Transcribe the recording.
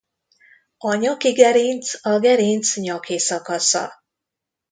A nyaki gerinc a gerinc nyaki szakasza.